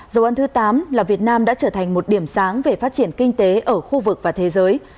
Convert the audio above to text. dấu ấn thứ tám là việt nam đã trở thành một điểm sáng về phát triển kinh tế ở khu vực và thế giới